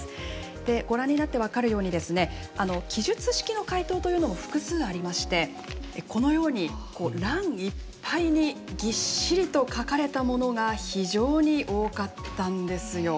でご覧になって分かるようにですね記述式の回答というのも複数ありましてこのように欄いっぱいにぎっしりと書かれたものが非常に多かったんですよ。